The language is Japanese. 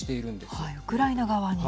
ウクライナ側に。